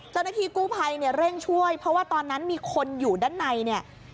เจ้าหน้าที่กู้ภัยเนี่ยเร่งช่วยเพราะว่าตอนนั้นมีคนอยู่ด้านในเนี่ย